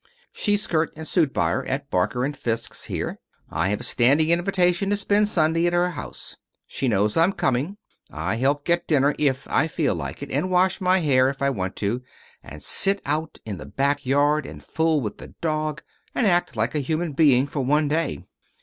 She's skirt and suit buyer at Barker & Fisk's here. I have a standing invitation to spend Sunday at her house. She knows I'm coming. I help get dinner if I feel like it, and wash my hair if I want to, and sit out in the back yard, and fool with the dog, and act like a human being for one day.